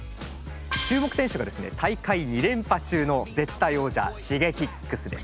注目選手がですね大会２連覇中の絶対王者Ｓｈｉｇｅｋｉｘです。